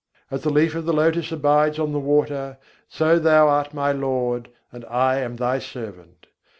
As the leaf of the lotus abides on the water: so thou art my Lord, and I am Thy servant.